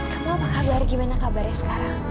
kamu gimana kabarnya sekarang